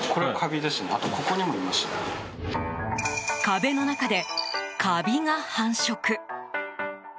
壁の中でカビが繁殖。